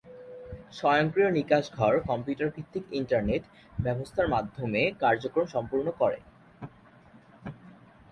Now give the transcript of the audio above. স্বয়ংক্রিয় নিকাশ ঘর কম্পিউটার ভিত্তিক ইন্টারনেট ব্যবস্থার মাধ্যমে কার্যক্রম সম্পূর্ণ করে।